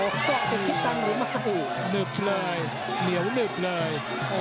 ก็คิดตั้งหรือไม่หนึบเลยเหนียวหนึบเลย